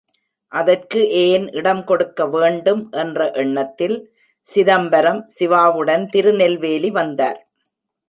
அதற்கு ஏன் இடம் கொடுக்க வேண்டும் என்ற எண்ணத்தில், சிதம்பரம், சிவாவுடன் திருநெல்வேலி வந்தார்.